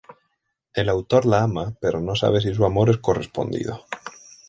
El autor la ama pero no sabe si su amor es correspondido.